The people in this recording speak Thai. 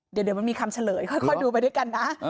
เดี๋ยวมันมีคำเฉลยค่อยดูไปด้วยกันนะ